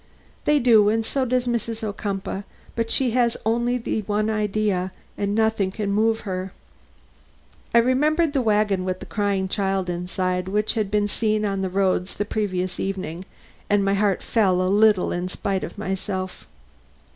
"They do; and so does Mrs. Ocumpaugh; but she has only the one idea, and nothing can move her." I remembered the wagon with the crying child inside which had been seen on the roads the previous evening, and my heart fell a little in spite of myself.